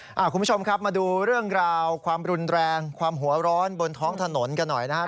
คุณผู้ชมครับมาดูเรื่องราวความรุนแรงความหัวร้อนบนท้องถนนกันหน่อยนะครับ